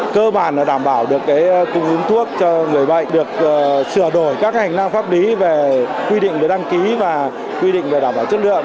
cơ bản đảm bảo được cung dung thuốc cho người bệnh được sửa đổi các hành lang pháp lý về quy định về đăng ký và quy định về đảm bảo chất lượng